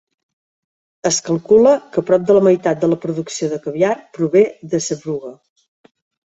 Es calcula que prop de la meitat de la producció de caviar prové de Sevruga.